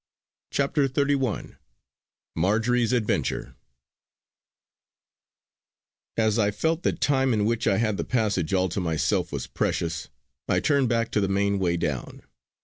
CHAPTER XXXI MARJORY'S ADVENTURE As I felt that time, in which I had the passage all to myself, was precious, I turned back to the main way down.